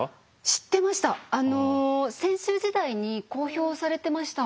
知ってました。